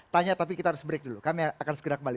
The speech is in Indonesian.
tanya tapi kita harus break dulu kami akan segera kembali